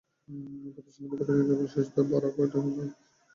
প্রতিষ্ঠানের পক্ষ থেকে বলা হয়েছে, শিশুদের ভরা পেটে কেন্দ্রে আনতে হবে।